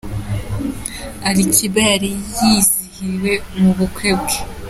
Ali Kiba yari yizihiwe mu bukwe bwe.